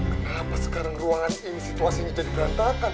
kenapa sekarang ruangan ini situasinya jadi berantakan